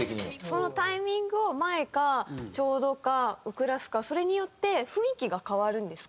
そのタイミングを前かちょうどか遅らすかそれによって雰囲気が変わるんですか？